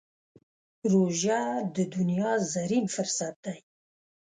روژه د دعا زرين فرصت دی.